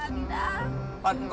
kong udah pulang dah